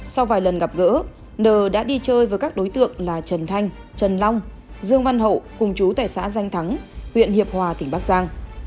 sau vài lần gặp gỡ nờ đã đi chơi với các đối tượng là trần thanh trần long dương văn hậu cùng chú tại xã danh thắng huyện hiệp hòa tỉnh bắc giang